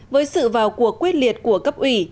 với sự vào cuộc quyết liệt của cấp huyện việt nam